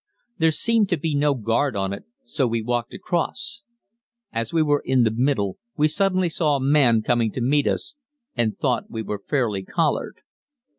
There seemed to be no guard on it, so we walked across. As we were in the middle we suddenly saw a man coming to meet us, and thought we were fairly collared.